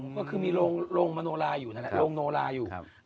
ก็คือมีโรงมโนราอยู่นะครับ